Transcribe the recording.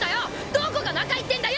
どこが仲いいってんだよ！